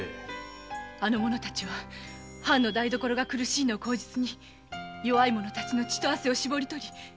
あの者たちは藩の台所が苦しいのを口実に弱い者たちの血と汗を搾り取り私腹を肥やす悪党です！